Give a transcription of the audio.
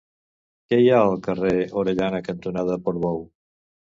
Què hi ha al carrer Orellana cantonada Portbou?